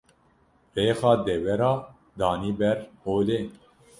rêxa dewera danî ber holê.